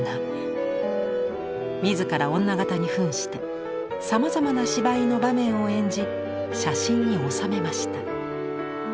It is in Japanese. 自ら女形に扮してさまざまな芝居の場面を演じ写真に収めました。